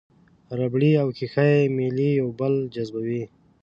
ربړي او ښيښه یي میلې یو بل جذبوي.